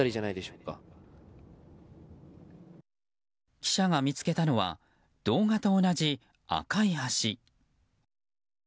記者が見つけたのは動画と同じ赤い橋。